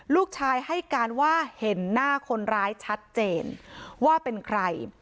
ลูกชายให้การว่าเห็นหน้าคนร้ายชัดเจนว่าเป็นใคร